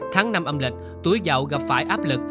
tháng năm âm lịch tuổi giàu gặp phải áp lực